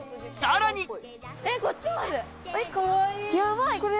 さらに！